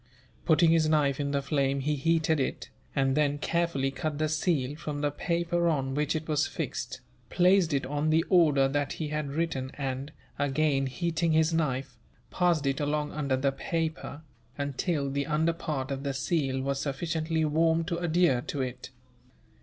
Putting his knife in the flame he heated it, and then carefully cut the seal from the paper on which it was fixed, placed it on the order that he had written and, again heating his knife, passed it along under the paper, until the under part of the seal was sufficiently warmed to adhere to it.